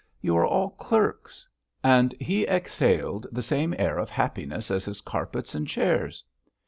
You are all clerks!" And he exhaled the same air of happiness as his carpets and chairs.